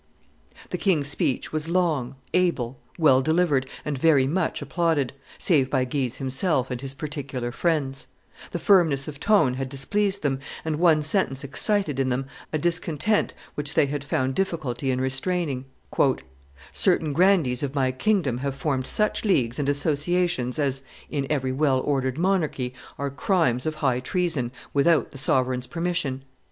The king's speech was long, able, well delivered, and very much applauded, save by Guise himself and his particular friends; the firmness of tone had displeased them, and one sentence excited in them a discontent which they had found difficulty in restraining: certain grandees of my kingdom have formed such leagues and associations as, in every well ordered monarchy, are crimes of high treason, without the sovereign's permission.